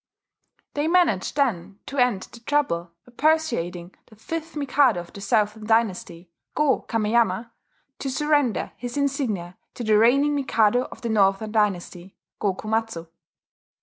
They managed then to end the trouble by persuading the fifth Mikado of the Southern Dynasty, Go Kameyama, to surrender his insignia to the reigning Mikado of the Northern Dynasty, Go Komatsu.